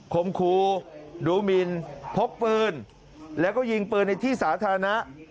คมครูดูมินพกปืนแล้วก็ยิงปืนในที่สาธารณะ